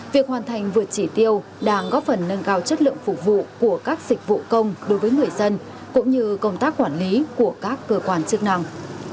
việc hoàn thành vượt chỉ tiêu đang góp phần nâng cao chất lượng phục vụ của các dịch vụ công đối với người dân cũng như công tác quản lý của các cơ quan chức năng